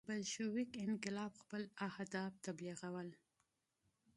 بلشویک انقلاب خپل اهداف تبلیغول.